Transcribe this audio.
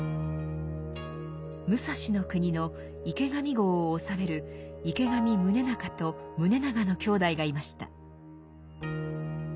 武蔵国の池上郷を治める池上宗仲と宗長の兄弟がいました。